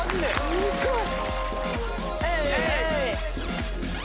すごい！